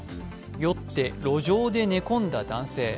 酔って路上で寝込んだ男性。